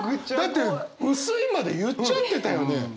だって薄いまで言っちゃってたよね。